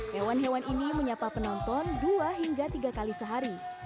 hewan hewan ini menyapa penonton dua hingga tiga kali sehari